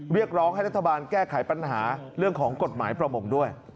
เรียกร้องให้รัฐบาลแก้ไขปัญหาเรื่องของกฎหมายประมงด้วย